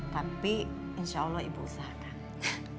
tapi insya allah ibu usahakan